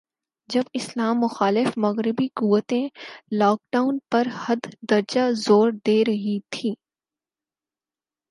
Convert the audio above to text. جب اسلام مخالف مغربی قوتیں, لاک ڈاون پر حد درجہ زور دے رہی تھیں